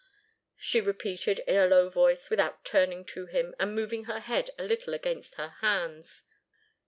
she repeated, in a low voice, without turning to him, and moving her head a little against her hands.